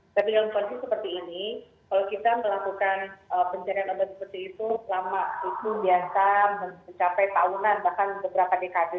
tapi dalam kondisi seperti ini kalau kita melakukan pencarian obat seperti itu lama itu biasa mencapai tahunan bahkan beberapa dekade